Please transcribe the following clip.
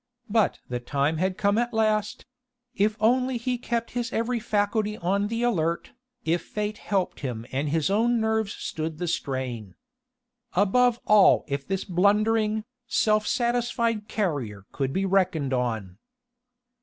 But the time had come at last if only he kept his every faculty on the alert, if Fate helped him and his own nerves stood the strain. Above all if this blundering, self satisfied Carrier could be reckoned on!...